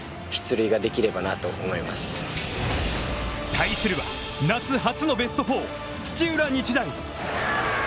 対するは夏、初のベスト４、土浦日大。